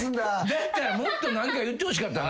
だったらもっと何か言ってほしかった。